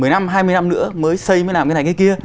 một mươi năm hai mươi năm nữa mới xây mới làm cái này cái kia